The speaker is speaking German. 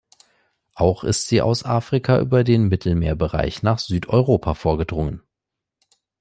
Auch ist sie aus Afrika über den Mittelmeer-Bereich nach Südeuropa vorgedrungen.